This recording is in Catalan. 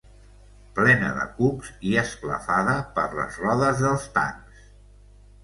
Plena de cucs i esclafada per les rodes dels tancs.